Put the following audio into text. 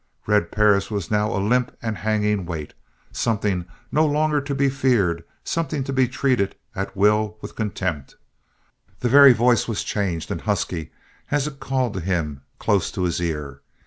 Red Perris was now a limp and hanging weight, something no longer to be feared, something to be treated, at will, with contempt. The very voice was changed and husky as it called to him, close to his ear.